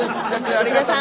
ありがとう！